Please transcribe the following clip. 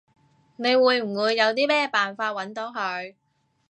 你會唔會有啲咩辦法搵到佢？